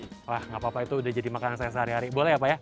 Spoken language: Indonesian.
wah nggak apa apa itu udah jadi makanan saya sehari hari boleh ya pak ya